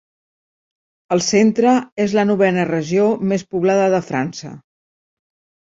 El Centre és la novena regió més poblada de França.